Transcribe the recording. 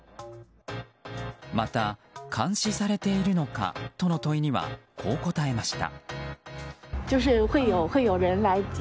また監視されているのかとの問いにはこう答えました。